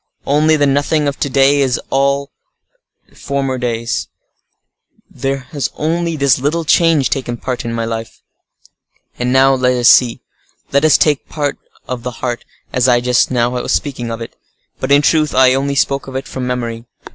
Only the nothing of to day is the all of former days; there has only this little change taken place in my life. And now let us see! let us take the part of the heart, as I just now was speaking of it. But in truth, I only spoke of it from memory."